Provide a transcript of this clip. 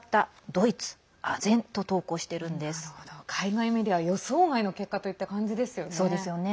ドイツ＝あぜんと海外メディアは予想外の結果といった感じですよね。